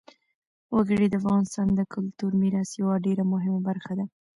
وګړي د افغانستان د کلتوري میراث یوه ډېره مهمه برخه ده.